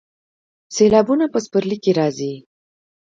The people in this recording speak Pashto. سیلابونه په پسرلي کې راځي